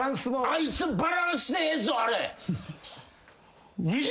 あいつバランスええぞあれ！